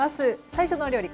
最初のお料理